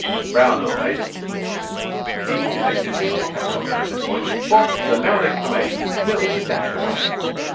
'Brown eyes ' He desisted from his cataloguing at this point, for, with a loud exclamation, Bill had dashed away.